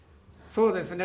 そうですね